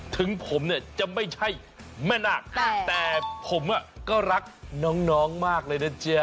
ถึงผมจะไม่ใช่แม่นักแต่ผมก็รักน้องมากเลยนะจ๊ะ